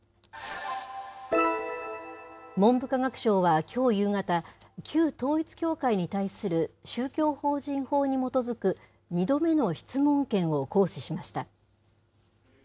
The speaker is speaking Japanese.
文部科学省はきょう夕方、旧統一教会に対する宗教法人法に基づく、２度目の質問権を行使しました。